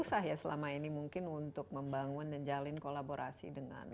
jadi susah ya selama ini mungkin untuk membangun dan jalin kolaborasi dengan